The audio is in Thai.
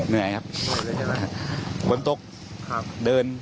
เงียบกดตรงเติมเดิน